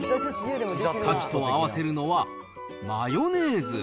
カキと合わせるのは、マヨネーズ。